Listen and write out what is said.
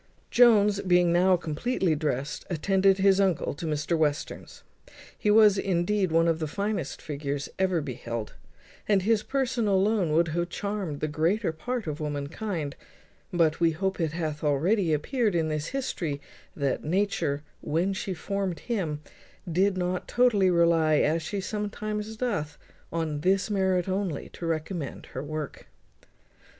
Jones, being now completely dressed, attended his uncle to Mr Western's. He was, indeed, one of the finest figures ever beheld, and his person alone would have charmed the greater part of womankind; but we hope it hath already appeared in this history that Nature, when she formed him, did not totally rely, as she sometimes doth, on this merit only, to recommend her work.